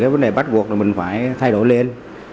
vấn đề bắt cuộc thì mình phải thay đổi lên